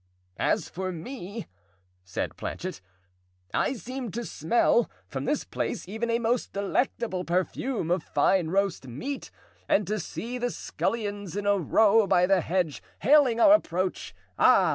"As for me," said Planchet, "I seem to smell, from this place, even, a most delectable perfume of fine roast meat, and to see the scullions in a row by the hedge, hailing our approach. Ah!